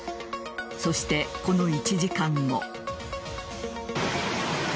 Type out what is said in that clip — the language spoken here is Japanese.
そして、この１時間後。